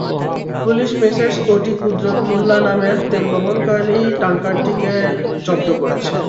Police Messrs OT Kudrat Mollah নামের তেল বহনকারী ট্যাংকারটিও জব্দ করেছে।